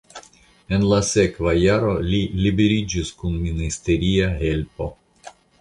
En la sekva jaro li liberiĝis kun ministeria helpo.